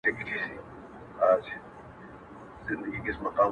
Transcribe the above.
• سره جمع به رندان وي ته به یې او زه به نه یم -